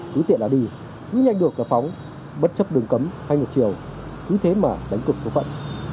thứ tiện là đi nhưng nhanh được là phóng bất chấp đường cấm hay ngược chiều cứ thế mà đánh cực số phận